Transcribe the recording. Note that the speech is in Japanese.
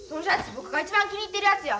僕が一番気に入ってるやつや！